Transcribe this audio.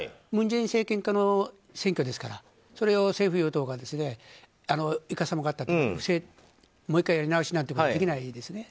文在寅政権下の選挙ですからそれを政府・与党がいかさまがあったもう１回やり直しなんてできないです。